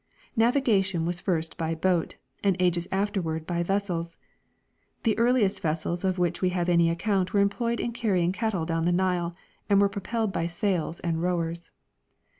Navigation AA'as first by boat, and ages afterAvard by vessels. The earliest vessels of Avhich Ave have an}' account Avere employed in carrying cattle doAvn the Nile, and AA^ere propelled by sails and roAvers.